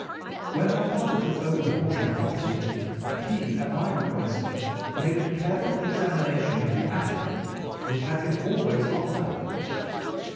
"When my father took over the Horsham property, he, at my request, made a careful examination of the attic, which had been always locked up.